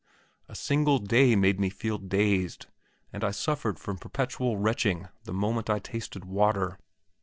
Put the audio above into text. A single day made me feel dazed, and I suffered from perpetual retching the moment I tasted water.